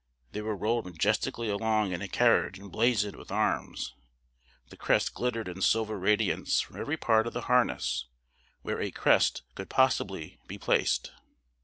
They were rolled majestically along in a carriage emblazoned with arms. The crest glittered in silver radiance from every part of the harness where a crest could possibly be placed.